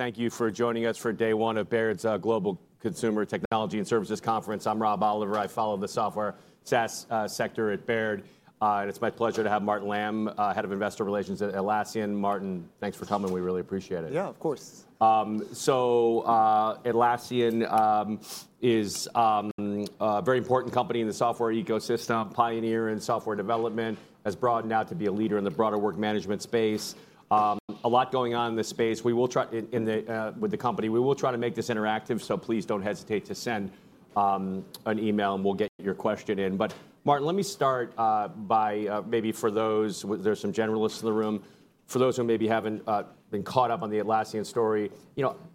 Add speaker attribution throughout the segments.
Speaker 1: Thank you for joining us for day one of Baird's Global Consumer Technology and Services Conference. I'm Rob Oliver. I follow the software SaaS sector at Baird. It's my pleasure to have Martin Lam, Head of Investor Relations at Atlassian. Martin, thanks for coming. We really appreciate it.
Speaker 2: Yeah, of course.
Speaker 1: Atlassian is a very important company in the software ecosystem, pioneer in software development, has broadened out to be a leader in the broader work management space. A lot going on in this space. We will try with the company, we will try to make this interactive. Please do not hesitate to send an email and we will get your question in. Martin, let me start by maybe for those, there are some generalists in the room. For those who maybe have not been caught up on the Atlassian story,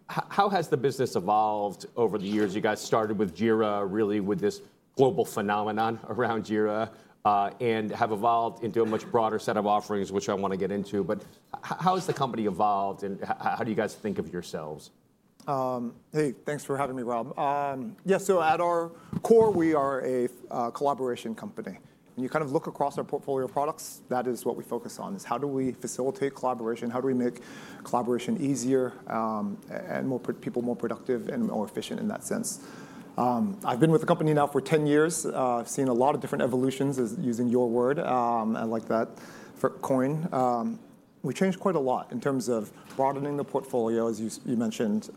Speaker 1: how has the business evolved over the years? You guys started with Jira, really with this global phenomenon around Jira, and have evolved into a much broader set of offerings, which I want to get into. How has the company evolved? How do you guys think of yourselves?
Speaker 2: Hey, thanks for having me, Rob. Yeah, so at our core, we are a collaboration company. When you kind of look across our portfolio of products, that is what we focus on, is how do we facilitate collaboration? How do we make collaboration easier and people more productive and more efficient in that sense? I've been with the company now for 10 years. I've seen a lot of different evolutions, using your word, I like that for coin. We changed quite a lot in terms of broadening the portfolio, as you mentioned.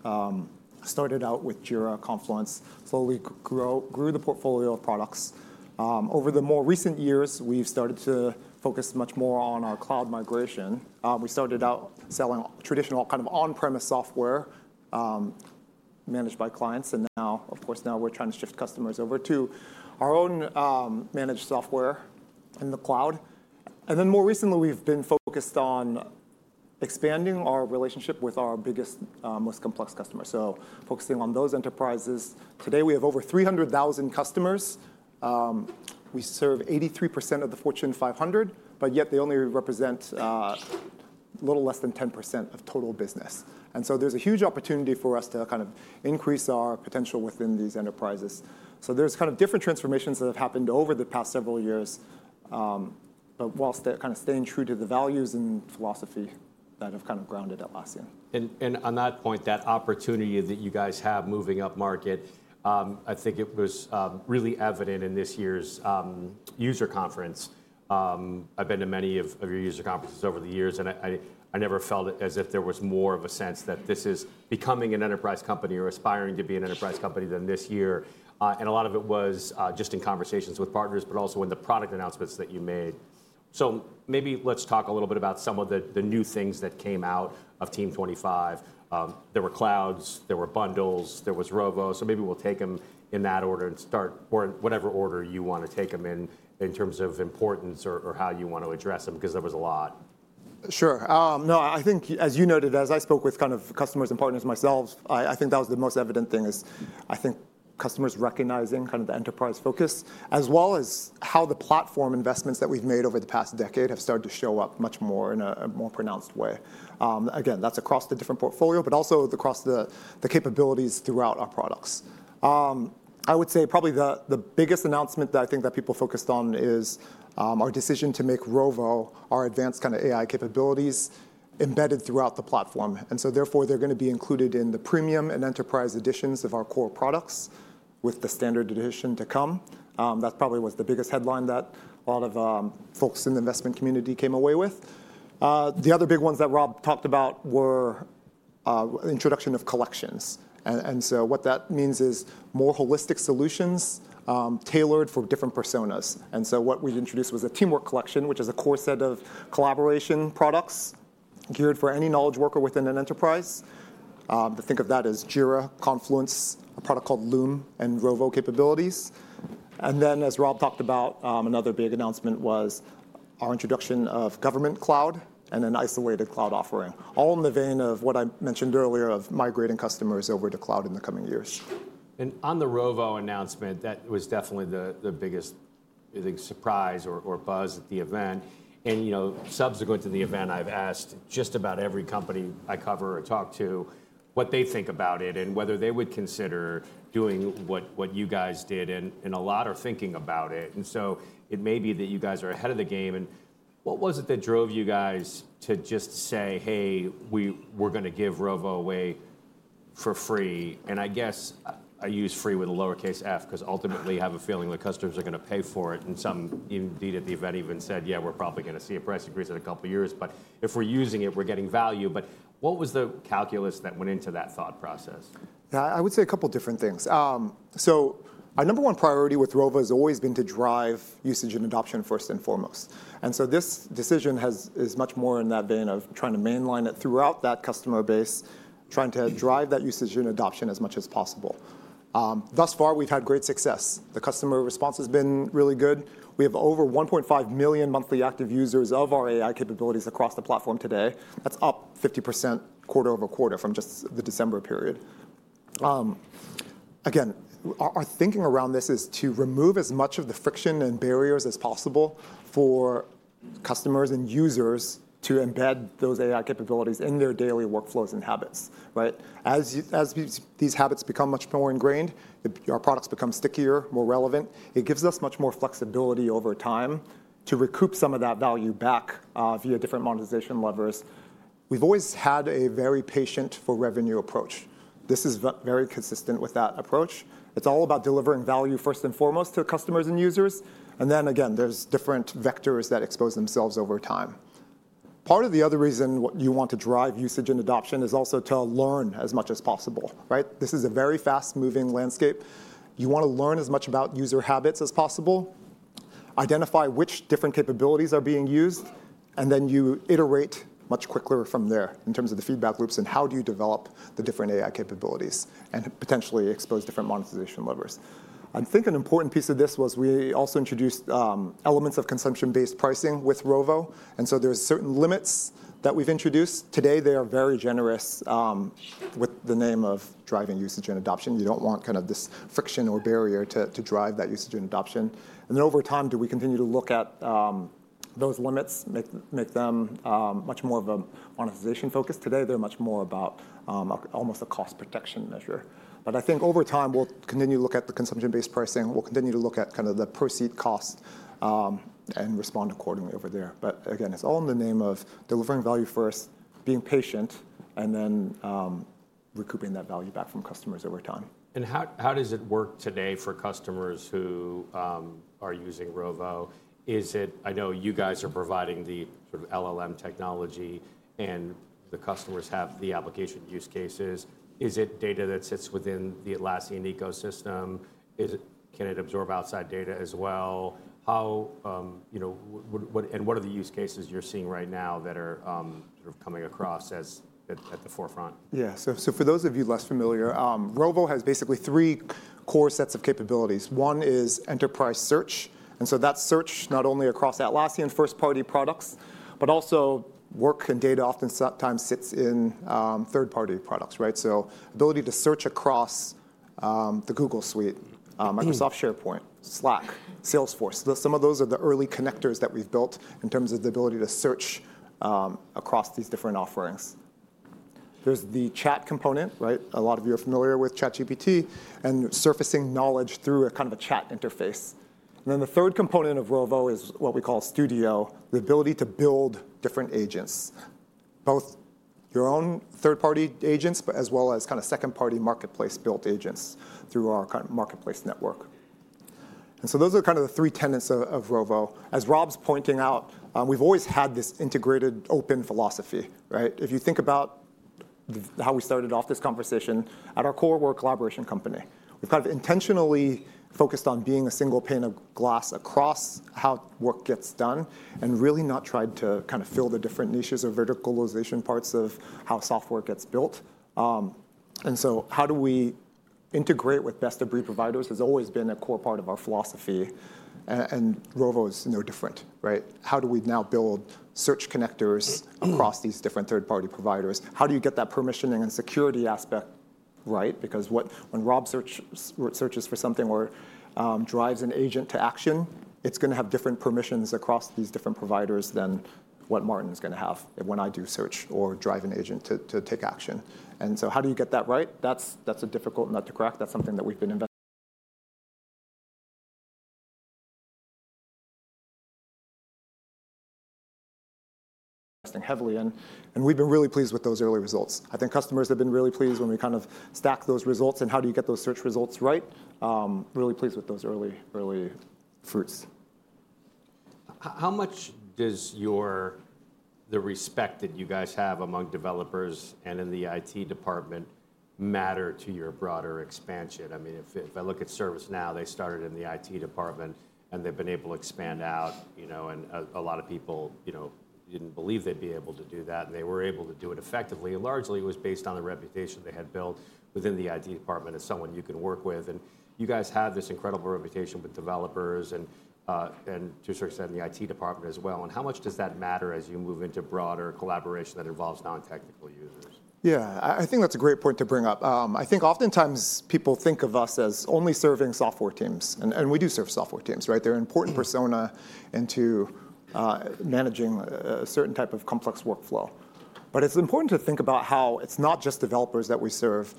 Speaker 2: Started out with Jira, Confluence, slowly grew the portfolio of products. Over the more recent years, we've started to focus much more on our cloud migration. We started out selling traditional kind of on-premise software managed by clients. Now, of course, now we're trying to shift customers over to our own managed software in the cloud. More recently, we've been focused on expanding our relationship with our biggest, most complex customers. Focusing on those enterprises. Today, we have over 300,000 customers. We serve 83% of the Fortune 500, but yet they only represent a little less than 10% of total business. There is a huge opportunity for us to kind of increase our potential within these enterprises. There are kind of different transformations that have happened over the past several years, but while kind of staying true to the values and philosophy that have kind of grounded Atlassian.
Speaker 1: On that point, that opportunity that you guys have moving up market, I think it was really evident in this year's user conference. I've been to many of your user conferences over the years, and I never felt as if there was more of a sense that this is becoming an enterprise company or aspiring to be an enterprise company than this year. A lot of it was just in conversations with partners, but also in the product announcements that you made. Maybe let's talk a little bit about some of the new things that came out of Team 25. There were clouds, there were bundles, there was Rovo. Maybe we'll take them in that order and start or in whatever order you want to take them in, in terms of importance or how you want to address them, because there was a lot.
Speaker 2: Sure. No, I think as you noted, as I spoke with kind of customers and partners myself, I think that was the most evident thing, is I think customers recognizing kind of the enterprise focus, as well as how the platform investments that we've made over the past decade have started to show up much more in a more pronounced way. Again, that's across the different portfolio, but also across the capabilities throughout our products. I would say probably the biggest announcement that I think that people focused on is our decision to make Rovo, our advanced kind of AI capabilities embedded throughout the platform. Therefore, they're going to be included in the premium and enterprise editions of our core products with the standard edition to come. That's probably what's the biggest headline that a lot of folks in the investment community came away with. The other big ones that Rob talked about were the introduction of collections. What that means is more holistic solutions tailored for different personas. What we introduced was a Teamwork Collection, which is a core set of collaboration products geared for any knowledge worker within an enterprise. Think of that as Jira, Confluence, a product called Loom, and Rovo capabilities. As Rob talked about, another big announcement was our introduction of Government Cloud and an Isolated Cloud offering, all in the vein of what I mentioned earlier of migrating customers over to cloud in the coming years.
Speaker 1: On the Rovo announcement, that was definitely the biggest surprise or buzz at the event. Subsequent to the event, I've asked just about every company I cover or talk to what they think about it and whether they would consider doing what you guys did and a lot are thinking about it. It may be that you guys are ahead of the game. What was it that drove you guys to just say, hey, we're going to give Rovo away for free? I guess I use free with a lowercase f because ultimately I have a feeling that customers are going to pay for it. Some indeed at the event even said, yeah, we're probably going to see a price increase in a couple of years. If we're using it, we're getting value. What was the calculus that went into that thought process?
Speaker 2: Yeah, I would say a couple of different things. Our number one priority with Rovo has always been to drive usage and adoption first and foremost. This decision is much more in that vein of trying to mainline it throughout that customer base, trying to drive that usage and adoption as much as possible. Thus far, we've had great success. The customer response has been really good. We have over 1.5 million monthly active users of our AI capabilities across the platform today. That's up 50% quarter over quarter from just the December period. Again, our thinking around this is to remove as much of the friction and barriers as possible for customers and users to embed those AI capabilities in their daily workflows and habits. As these habits become much more ingrained, our products become stickier, more relevant. It gives us much more flexibility over time to recoup some of that value back via different monetization levers. We've always had a very patient for revenue approach. This is very consistent with that approach. It's all about delivering value first and foremost to customers and users. Then again, there's different vectors that expose themselves over time. Part of the other reason what you want to drive usage and adoption is also to learn as much as possible. This is a very fast-moving landscape. You want to learn as much about user habits as possible, identify which different capabilities are being used, and then you iterate much quicker from there in terms of the feedback loops and how do you develop the different AI capabilities and potentially expose different monetization levers. I think an important piece of this was we also introduced elements of consumption-based pricing with Rovo. There are certain limits that we've introduced. Today, they are very generous with the name of driving usage and adoption. You don't want kind of this friction or barrier to drive that usage and adoption. Over time, do we continue to look at those limits, make them much more of a monetization focus? Today, they're much more about almost a cost protection measure. I think over time, we'll continue to look at the consumption-based pricing. We'll continue to look at kind of the perceived cost and respond accordingly over there. Again, it's all in the name of delivering value first, being patient, and then recouping that value back from customers over time.
Speaker 1: How does it work today for customers who are using Rovo? I know you guys are providing the LLM technology and the customers have the application use cases. Is it data that sits within the Atlassian ecosystem? Can it absorb outside data as well? What are the use cases you're seeing right now that are sort of coming across as at the forefront?
Speaker 2: Yeah, so for those of you less familiar, Rovo has basically three core sets of capabilities. One is enterprise search. That is search not only across Atlassian first-party products, but also work and data oftentimes sits in third-party products. The ability to search across the Google suite, Microsoft SharePoint, Slack, Salesforce. Some of those are the early connectors that we've built in terms of the ability to search across these different offerings. There is the chat component. A lot of you are familiar with ChatGPT and surfacing knowledge through a kind of a chat interface. The third component of Rovo is what we call Studio, the ability to build different agents, both your own third-party agents, but as well as kind of second-party marketplace built agents through our kind of marketplace network. Those are kind of the three Tenets of Rovo. As Rob's pointing out, we've always had this integrated open philosophy. If you think about how we started off this conversation, at our core we're a collaboration company. We've kind of intentionally focused on being a single pane of glass across how work gets done and really not tried to kind of fill the different niches or verticalization parts of how software gets built. How we integrate with best-of-breed providers has always been a core part of our philosophy. Rovo is no different. How do we now build search connectors across these different third-party providers? How do you get that permissioning and security aspect right? Because when Rob searches for something or drives an agent to action, it's going to have different permissions across these different providers than what Martin is going to have when I do search or drive an agent to take action. How do you get that right? That's a difficult nut to crack. That's something that we've been investing heavily in. We've been really pleased with those early results. I think customers have been really pleased when we kind of stack those results and how do you get those search results right, really pleased with those early fruits.
Speaker 1: How much does the respect that you guys have among developers and in the IT department matter to your broader expansion? I mean, if I look at ServiceNow, they started in the IT department, and they've been able to expand out. A lot of people didn't believe they'd be able to do that. They were able to do it effectively. Largely, it was based on the reputation they had built within the IT department as someone you can work with. You guys have this incredible reputation with developers and to a certain extent in the IT department as well. How much does that matter as you move into broader collaboration that involves non-technical users?
Speaker 2: Yeah, I think that's a great point to bring up. I think oftentimes people think of us as only serving software teams. And we do serve software teams. They're an important persona into managing a certain type of complex workflow. But it's important to think about how it's not just developers that we serve.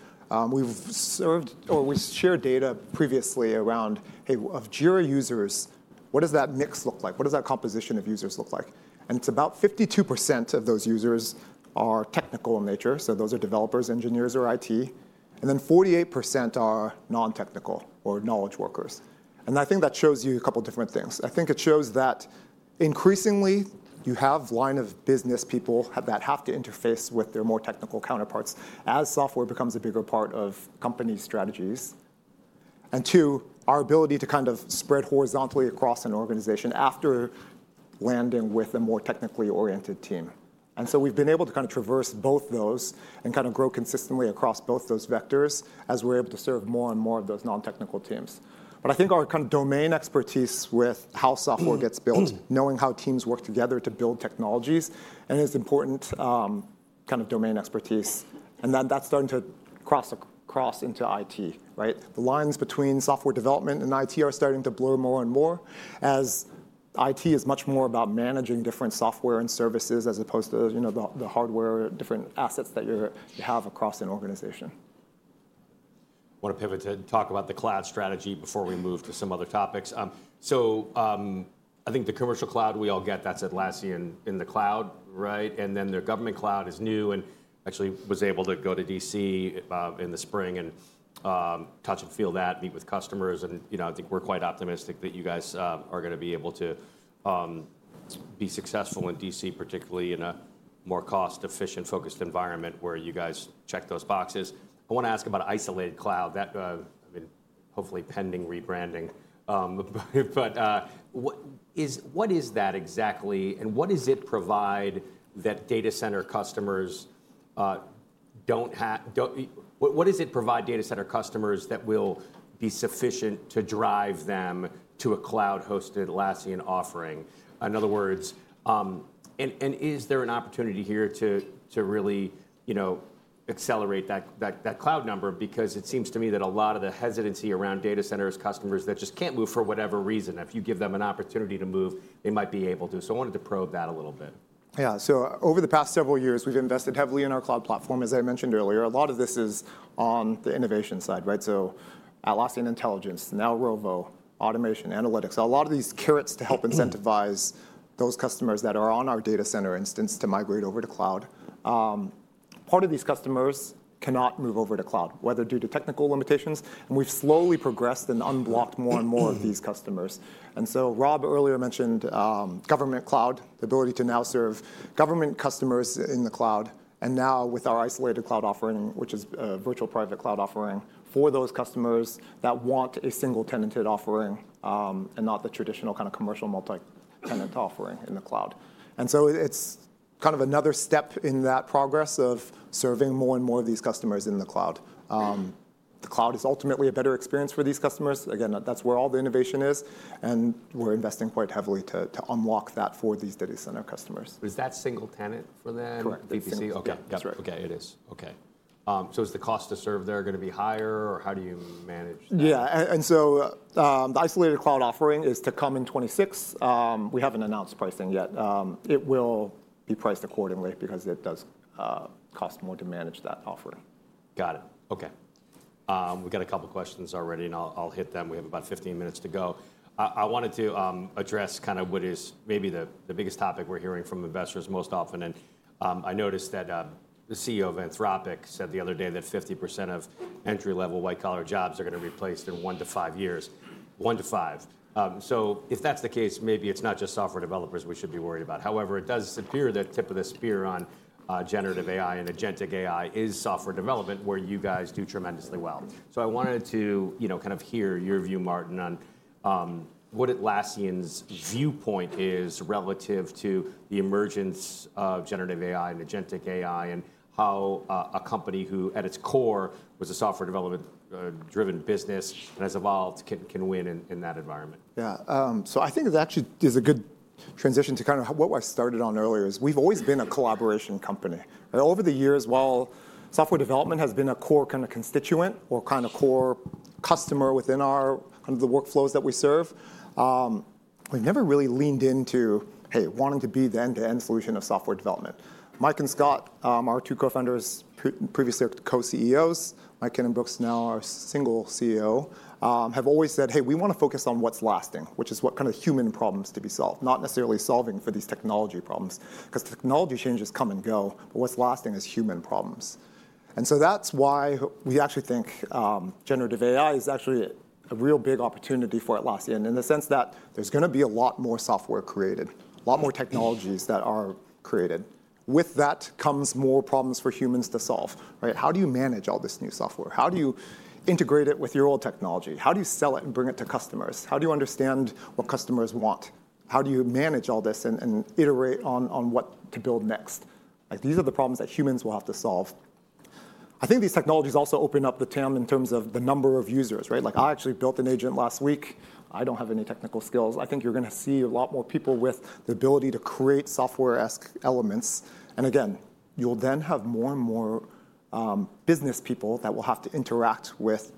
Speaker 2: We've shared data previously around, hey, of Jira users, what does that mix look like? What does that composition of users look like? And it's about 52% of those users are technical in nature. So those are developers, engineers, or IT. And then 48% are non-technical or knowledge workers. And I think that shows you a couple of different things. I think it shows that increasingly you have a line of business people that have to interface with their more technical counterparts as software becomes a bigger part of company strategies. Our ability to kind of spread horizontally across an organization after landing with a more technically oriented team is important. We have been able to traverse both those and grow consistently across both those vectors as we're able to serve more and more of those non-technical teams. I think our kind of domain expertise with how software gets built, knowing how teams work together to build technologies, is important domain expertise. That is starting to cross into IT. The lines between software development and IT are starting to blur more and more as IT is much more about managing different software and services as opposed to the hardware, different assets that you have across an organization.
Speaker 1: I want to pivot to talk about the cloud strategy before we move to some other topics. I think the commercial cloud, we all get that's Atlassian in the cloud. The government cloud is new and I actually was able to go to DC in the spring and touch and feel that, meet with customers. I think we're quite optimistic that you guys are going to be able to be successful in DC, particularly in a more cost-efficient focused environment where you guys check those boxes. I want to ask about isolated cloud that hopefully is pending rebranding. What is that exactly? What does it provide that data center customers don't have? What does it provide data center customers that will be sufficient to drive them to a cloud-hosted Atlassian offering? In other words, is there an opportunity here to really accelerate that cloud number? Because it seems to me that a lot of the hesitancy around Data Center is customers that just cannot move for whatever reason. If you give them an opportunity to move, they might be able to. I wanted to probe that a little bit.
Speaker 2: Yeah, over the past several years, we've invested heavily in our cloud platform, as I mentioned earlier. A lot of this is on the innovation side. Atlassian Intelligence, now Rovo, automation, analytics, a lot of these carrots to help incentivize those customers that are on our Data Center instance to migrate over to cloud. Part of these customers cannot move over to cloud, whether due to technical limitations. We've slowly progressed and unblocked more and more of these customers. Rob earlier mentioned Government Cloud, the ability to now serve government customers in the cloud. Now with our Isolated Cloud offering, which is a Virtual Private Cloud offering for those customers that want a single-tenanted offering and not the traditional kind of commercial multi-tenant offering in the cloud. It is kind of another step in that progress of serving more and more of these customers in the cloud. The cloud is ultimately a better experience for these customers. Again, that is where all the innovation is. We are investing quite heavily to unlock that for these data center customers.
Speaker 1: Is that single-tenant for them?
Speaker 2: Correct.
Speaker 1: Okay, that's right. Okay, it is. Okay. Is the cost to serve there going to be higher? Or how do you manage that?
Speaker 2: Yeah, and the isolated cloud offering is to come in 2026. We have not announced pricing yet. It will be priced accordingly because it does cost more to manage that offering.
Speaker 1: Got it. Okay, we've got a couple of questions already. I'll hit them. We have about 15 minutes to go. I wanted to address kind of what is maybe the biggest topic we're hearing from investors most often. I noticed that the CEO of Anthropic said the other day that 50% of entry-level white-collar jobs are going to be replaced in one to five years, one to five. If that's the case, maybe it's not just software developers we should be worried about. However, it does appear that tip of the spear on generative AI and agentic AI is software development, where you guys do tremendously well. I wanted to kind of hear your view, Martin, on what Atlassian's viewpoint is relative to the emergence of generative AI and agentic AI and how a company who at its core was a software development-driven business and has evolved can win in that environment.
Speaker 2: Yeah, so I think it actually is a good transition to kind of what I started on earlier is we've always been a collaboration company. Over the years, while software development has been a core kind of constituent or kind of core customer within the workflows that we serve, we've never really leaned into, hey, wanting to be the end-to-end solution of software development. Mike and Scott, our two co-founders, previously co-CEOs, Mike Cannon-Brookes, now our single CEO, have always said, hey, we want to focus on what's lasting, which is what kind of human problems to be solved, not necessarily solving for these technology problems. Because technology changes come and go, but what's lasting is human problems. That is why we actually think generative AI is actually a real big opportunity for Atlassian in the sense that there is going to be a lot more software created, a lot more technologies that are created. With that comes more problems for humans to solve. How do you manage all this new software? How do you integrate it with your old technology? How do you sell it and bring it to customers? How do you understand what customers want? How do you manage all this and iterate on what to build next? These are the problems that humans will have to solve. I think these technologies also open up the TAM in terms of the number of users. I actually built an agent last week. I do not have any technical skills. I think you are going to see a lot more people with the ability to create software-esque elements. You will then have more and more business people that will have to interact with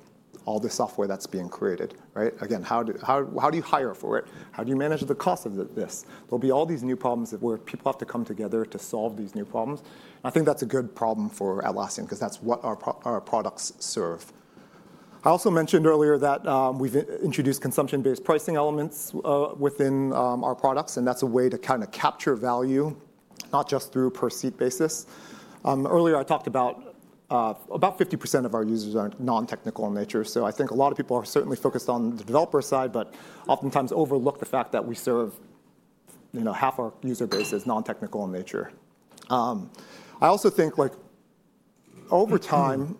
Speaker 2: all the software that is being created. How do you hire for it? How do you manage the cost of this? There will be all these new problems where people have to come together to solve these new problems. I think that is a good problem for Atlassian because that is what our products serve. I also mentioned earlier that we have introduced consumption-based pricing elements within our products. That is a way to kind of capture value, not just through per seat basis. Earlier, I talked about about 50% of our users are non-technical in nature. I think a lot of people are certainly focused on the developer side, but oftentimes overlook the fact that we serve half our user base is non-technical in nature. I also think over time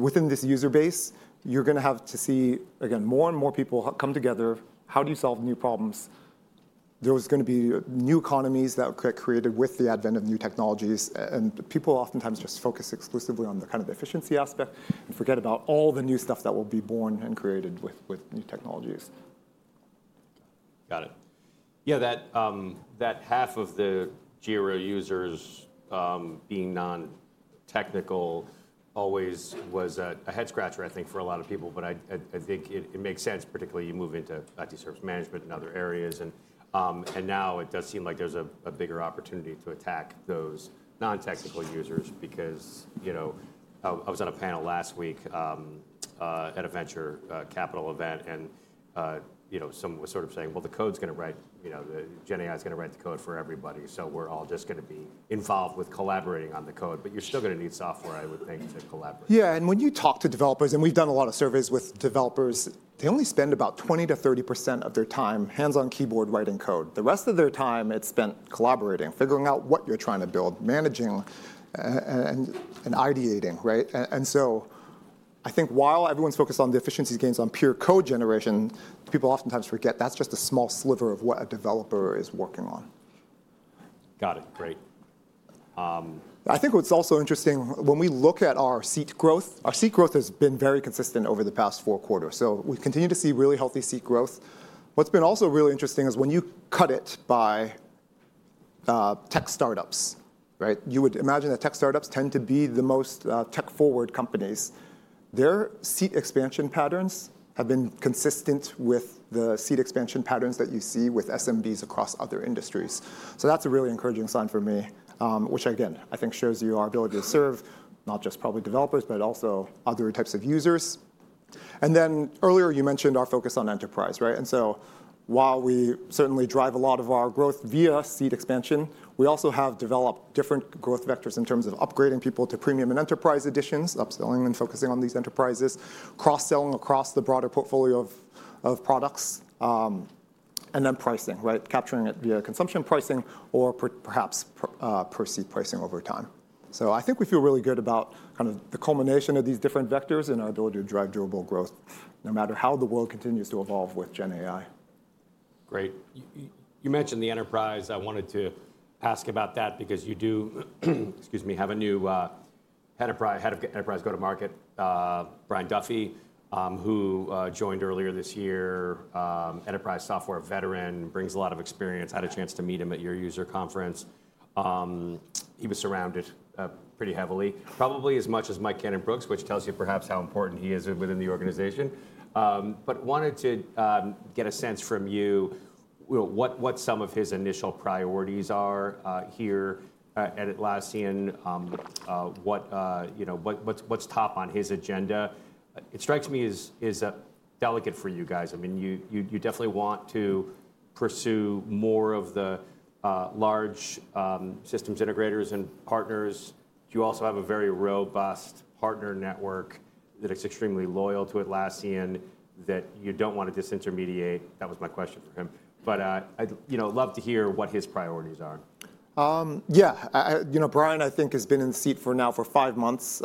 Speaker 2: within this user base, you're going to have to see, again, more and more people come together. How do you solve new problems? There is going to be new economies that get created with the advent of new technologies. People oftentimes just focus exclusively on the kind of efficiency aspect and forget about all the new stuff that will be born and created with new technologies.
Speaker 1: Got it. Yeah, that half of the Jira users being non-technical always was a head-scratcher, I think, for a lot of people. I think it makes sense, particularly you move into IT service management and other areas. Now it does seem like there's a bigger opportunity to attack those non-technical users because I was on a panel last week at a venture capital event. Someone was sort of saying, well, the code's going to write, the Gen AI's going to write the code for everybody. We're all just going to be involved with collaborating on the code. You're still going to need software, I would think, to collaborate.
Speaker 2: Yeah, and when you talk to developers, and we've done a lot of surveys with developers, they only spend about 20%-30% of their time hands on keyboard writing code. The rest of their time, it's spent collaborating, figuring out what you're trying to build, managing, and ideating. I think while everyone's focused on the efficiency gains on pure code generation, people oftentimes forget that's just a small sliver of what a developer is working on.
Speaker 1: Got it. Great.
Speaker 2: I think what's also interesting, when we look at our seat growth, our seat growth has been very consistent over the past four quarters. We continue to see really healthy seat growth. What's been also really interesting is when you cut it by tech startups. You would imagine that tech startups tend to be the most tech-forward companies. Their seat expansion patterns have been consistent with the seat expansion patterns that you see with SMBs across other industries. That's a really encouraging sign for me, which again, I think shows you our ability to serve not just probably developers, but also other types of users. Earlier, you mentioned our focus on enterprise. While we certainly drive a lot of our growth via seat expansion, we also have developed different growth vectors in terms of upgrading people to premium and enterprise editions, upselling and focusing on these enterprises, cross-selling across the broader portfolio of products, and then pricing, capturing it via consumption pricing or perhaps per seat pricing over time. I think we feel really good about kind of the culmination of these different vectors and our ability to drive durable growth no matter how the world continues to evolve with Gen AI.
Speaker 1: Great. You mentioned the enterprise. I wanted to ask about that because you do have a new Head of Enterprise Go-to-Market, Brian Duffy, who joined earlier this year, enterprise software veteran, brings a lot of experience. I had a chance to meet him at your user conference. He was surrounded pretty heavily, probably as much as Mike Cannon-Brookes, which tells you perhaps how important he is within the organization. I wanted to get a sense from you what some of his initial priorities are here at Atlassian, what's top on his agenda. It strikes me as delicate for you guys. I mean, you definitely want to pursue more of the large systems integrators and partners. You also have a very robust partner network that is extremely loyal to Atlassian that you do not want to disintermediate. That was my question for him. I would love to hear what his priorities are.
Speaker 2: Yeah, Brian, I think, has been in the seat now for five months.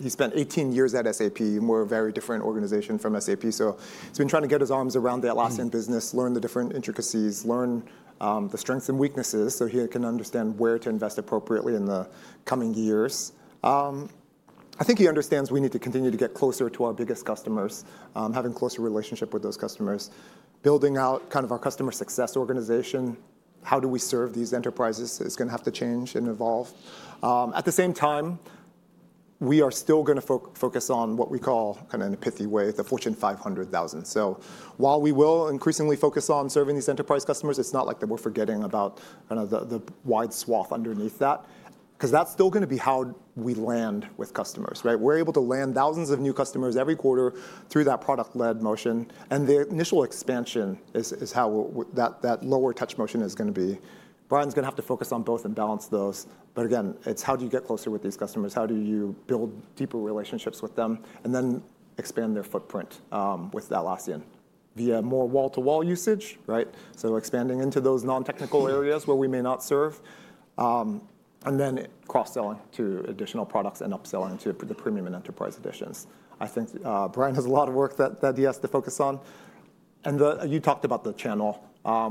Speaker 2: He spent 18 years at SAP. We're a very different organization from SAP. So he's been trying to get his arms around the Atlassian business, learn the different intricacies, learn the strengths and weaknesses so he can understand where to invest appropriately in the coming years. I think he understands we need to continue to get closer to our biggest customers, having a closer relationship with those customers, building out kind of our customer success organization. How do we serve these enterprises is going to have to change and evolve. At the same time, we are still going to focus on what we call, kind of in a pithy way, the Fortune 500000. While we will increasingly focus on serving these enterprise customers, it's not like that we're forgetting about the wide swath underneath that because that's still going to be how we land with customers. We're able to land thousands of new customers every quarter through that product-led motion. The initial expansion is how that lower touch motion is going to be. Brian's going to have to focus on both and balance those. Again, it's how do you get closer with these customers? How do you build deeper relationships with them and then expand their footprint with Atlassian via more wall-to-wall usage, expanding into those non-technical areas where we may not serve, and then cross-selling to additional products and upselling to the premium and enterprise editions. I think Brian has a lot of work that he has to focus on. You talked about the channel.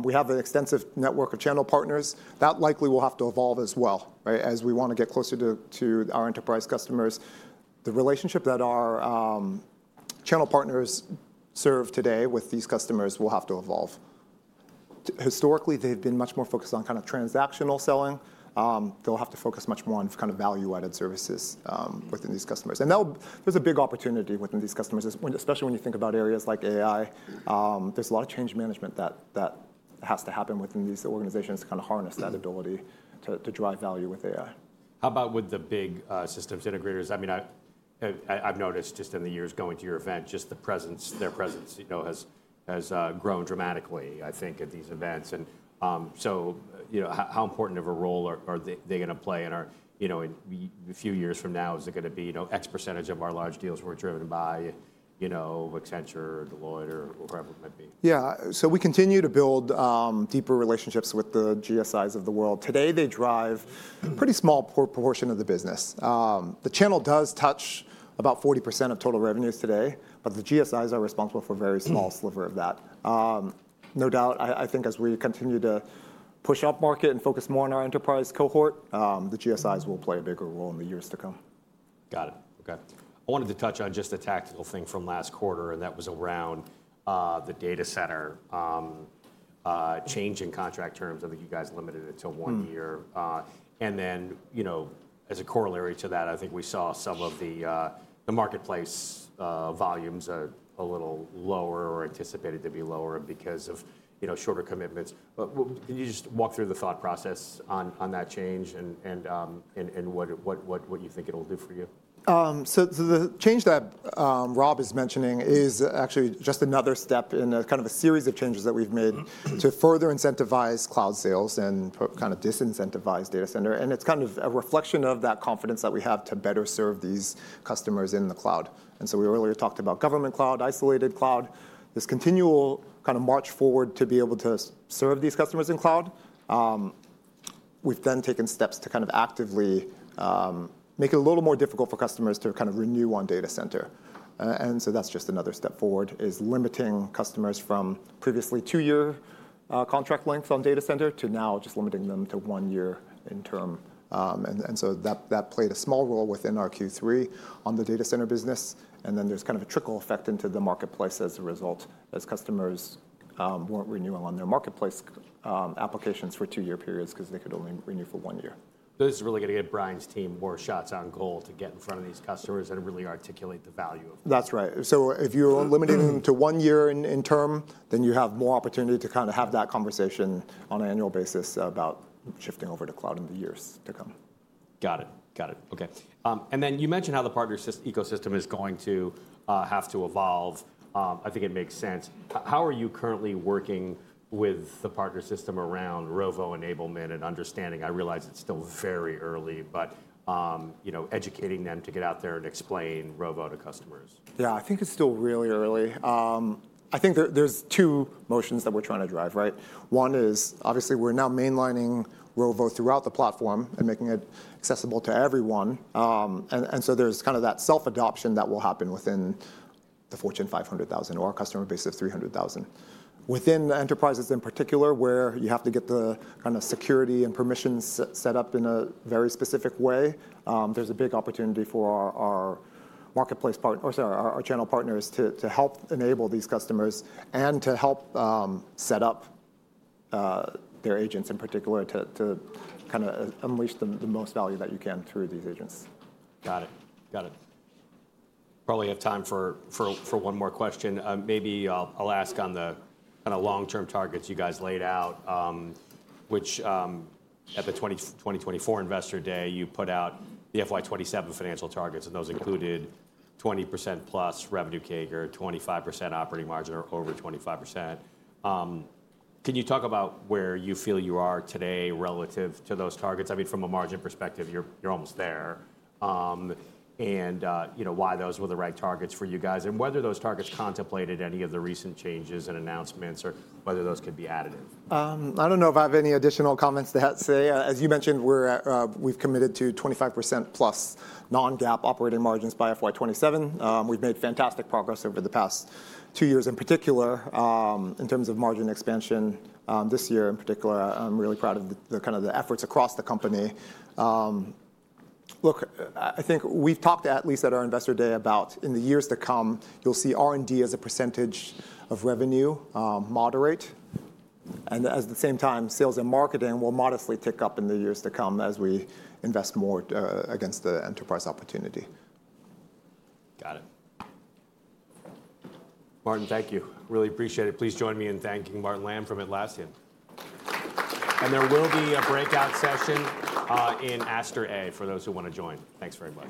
Speaker 2: We have an extensive network of channel partners. That likely will have to evolve as well as we want to get closer to our enterprise customers. The relationship that our channel partners serve today with these customers will have to evolve. Historically, they've been much more focused on kind of transactional selling. They'll have to focus much more on kind of value-added services within these customers. There is a big opportunity within these customers, especially when you think about areas like AI. There is a lot of change management that has to happen within these organizations to kind of harness that ability to drive value with AI.
Speaker 1: How about with the big systems integrators? I mean, I've noticed just in the years going to your event, just their presence has grown dramatically, I think, at these events. How important of a role are they going to play? A few years from now, is it going to be X percentage of our large deals were driven by Accenture or Deloitte or whoever it might be?
Speaker 2: Yeah, so we continue to build deeper relationships with the GSIs of the world. Today, they drive a pretty small proportion of the business. The channel does touch about 40% of total revenues today. But the GSIs are responsible for a very small sliver of that. No doubt, I think as we continue to push up market and focus more on our enterprise cohort, the GSIs will play a bigger role in the years to come.
Speaker 1: Got it. Okay, I wanted to touch on just a tactical thing from last quarter. That was around the Data Center change in contract terms. I think you guys limited it to one year. As a corollary to that, I think we saw some of the marketplace volumes a little lower or anticipated to be lower because of shorter commitments. Can you just walk through the thought process on that change and what you think it will do for you?
Speaker 2: The change that Rob is mentioning is actually just another step in kind of a series of changes that we've made to further incentivize cloud sales and kind of disincentivize Data Center. It's kind of a reflection of that confidence that we have to better serve these customers in the cloud. We earlier talked about Government Cloud, Isolated Cloud, this continual kind of march forward to be able to serve these customers in cloud. We've then taken steps to kind of actively make it a little more difficult for customers to kind of renew on Data Center. That's just another step forward, limiting customers from previously two-year contract length on Data Center to now just limiting them to one year in term. That played a small role within our Q3 on the Data Center business. There is kind of a trickle effect into the marketplace as a result as customers were not renewing on their marketplace applications for two-year periods because they could only renew for one year.
Speaker 1: This is really going to get Brian's team more shots on goal to get in front of these customers and really articulate the value of this.
Speaker 2: That's right. If you're limiting them to one year in term, then you have more opportunity to kind of have that conversation on an annual basis about shifting over to cloud in the years to come.
Speaker 1: Got it. Got it. Okay, and then you mentioned how the partner ecosystem is going to have to evolve. I think it makes sense. How are you currently working with the partner system around Rovo enablement and understanding? I realize it's still very early, but educating them to get out there and explain Rovo to customers.
Speaker 2: Yeah, I think it's still really early. I think there's two motions that we're trying to drive. One is obviously we're now mainlining Rovo throughout the platform and making it accessible to everyone. There's kind of that self-adoption that will happen within the Fortune 500,000 or our customer base of 300,000. Within enterprises in particular, where you have to get the kind of security and permissions set up in a very specific way, there's a big opportunity for our marketplace partners, our channel partners, to help enable these customers and to help set up their agents in particular to kind of unleash the most value that you can through these agents.
Speaker 1: Got it. Got it. Probably have time for one more question. Maybe I'll ask on the kind of long-term targets you guys laid out, which at the 2024 Investor Day, you put out the FY 2027 financial targets. And those included 20% plus revenue CAGR, 25% operating margin or over 25%. Can you talk about where you feel you are today relative to those targets? I mean, from a margin perspective, you're almost there. And why those were the right targets for you guys and whether those targets contemplated any of the recent changes and announcements or whether those could be additive.
Speaker 2: I don't know if I have any additional comments to say. As you mentioned, we've committed to 25% plus non-GAAP operating margins by FY 2027. We've made fantastic progress over the past two years in particular in terms of margin expansion. This year in particular, I'm really proud of kind of the efforts across the company. Look, I think we've talked at least at our Investor Day about in the years to come, you'll see R&D as a percentage of revenue moderate. At the same time, sales and marketing will modestly tick up in the years to come as we invest more against the enterprise opportunity.
Speaker 1: Got it. Martin, thank you. Really appreciate it. Please join me in thanking Martin Lam from Atlassian. There will be a breakout session in Aster A for those who want to join. Thanks very much.